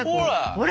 ほら！